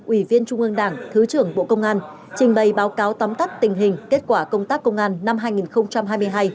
ủy viên trung ương đảng thứ trưởng bộ công an trình bày báo cáo tóm tắt tình hình kết quả công tác công an năm hai nghìn hai mươi hai